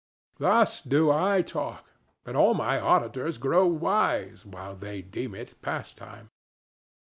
Thus do I talk, and all my auditors grow wise while they deem it pastime.